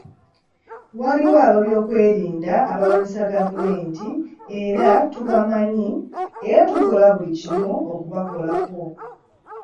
Waliwo ab'ebyokwerinda abalwanyisa gavumenti era tubamanyi era tukola buli kimu okubakolako.